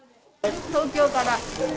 東京から。